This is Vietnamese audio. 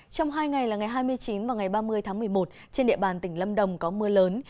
trong hai ngày là ngày hai mươi chín và ngày ba mươi tháng một mươi một trên địa bàn tỉnh lâm đồng có mưa lớn